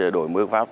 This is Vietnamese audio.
đổi mương pháp